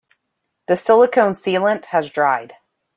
The silicon sealant has dried.